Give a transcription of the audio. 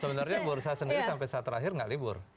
sebenarnya bursa sendiri sampai saat terakhir nggak libur